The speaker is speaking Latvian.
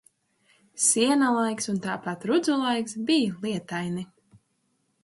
Siena laiks un tāpat rudzu laiks bij lietaini.